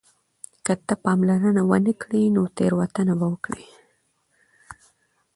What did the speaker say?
که ته پاملرنه ونه کړې نو تېروتنه به وکړې.